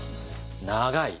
長い！